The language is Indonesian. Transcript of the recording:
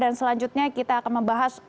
dan selanjutnya kita akan membahas agus nur patria